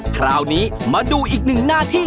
คราวนี้มาดูอีกหนึ่งหน้าที่